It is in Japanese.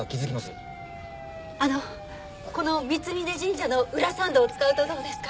あのこの三峯神社の裏参道を使うとどうですか？